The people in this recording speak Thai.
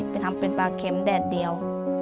ทำเป็นปลาเข็มแดดเดียว